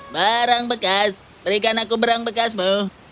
barang bekas berikan aku berang bekasmu